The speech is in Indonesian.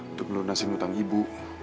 untuk melunasin hutang ibu